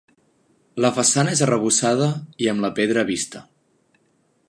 La façana és arrebossada i amb la pedra vista.